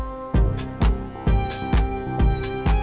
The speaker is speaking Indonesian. iru tapi sangat sibuk